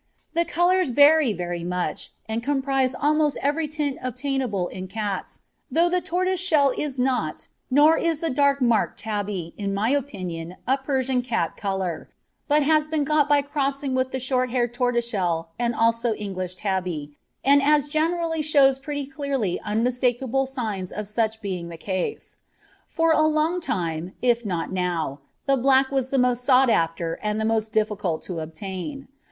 The colours vary very much, and comprise almost every tint obtainable in cats, though the tortoiseshell is not, nor is the dark marked tabby, in my opinion, a Persian cat colour, but has been got by crossing with the short haired tortoiseshell, and also English tabby, and as generally shows pretty clearly unmistakable signs of such being the case. For a long time, if not now, the black was the most sought after and the most difficult to obtain.